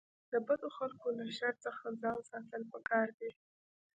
د بدو خلکو له شر څخه ځان ساتل پکار دي.